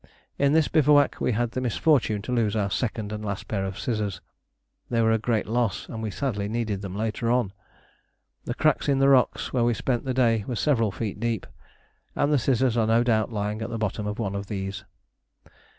In this bivouac we had the misfortune to lose our second and last pair of scissors they were a great loss, and we sadly needed them later on. The cracks in the rocks, where we spent the day, were several feet deep, and the scissors are no doubt lying at the bottom of one of these.